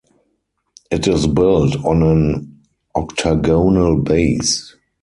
It is built on an octagonal base.